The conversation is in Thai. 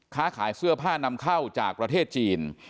ค้าขายเสื้อผ้านำเข้าจากประเทศจีน